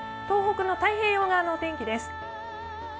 東北の太平洋側のお天気です。